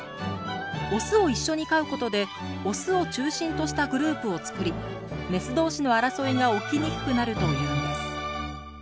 オスを一緒に飼うことでオスを中心としたグループを作りメス同士の争いが起きにくくなるというんです。